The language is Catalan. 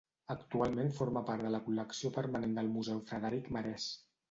Actualment forma part de la col·lecció permanent del Museu Frederic Marès.